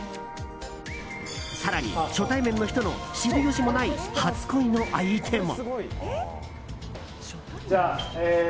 更に、初対面の人の知る由もない初恋の相手も。